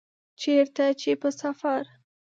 چیرته چي په سفر